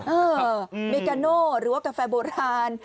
เออเมกาโน่หรือว่ากาแฟโบราณ